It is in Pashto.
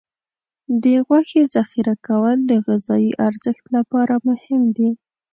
د غوښې ذخیره کول د غذايي ارزښت لپاره مهم دي.